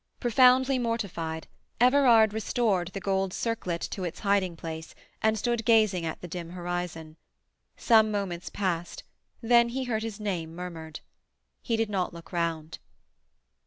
Profoundly mortified, Everard restored the gold circlet to its hiding place and stood gazing at the dim horizon. Some moments passed, then he heard his name murmured. He did not look round.